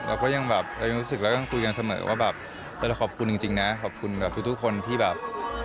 เราก็ยังรู้สึกแล้วก็ยังคุยกันเสมอว่าแบบแล้วเราขอบคุณจริงนะขอบคุณทุกคนที่แบบ